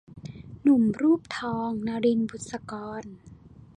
หนุ่มรูปทอง - นลิน บุษกร